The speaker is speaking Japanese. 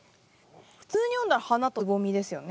普通に読んだら花と蕾ですよね。